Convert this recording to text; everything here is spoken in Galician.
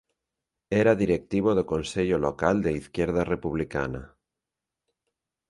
Era directivo do consello local de Izquierda Republicana.